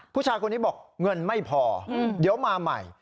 ผู้ชายคนนี้บอกเงินไม่พอเดี๋ยวมาใหม่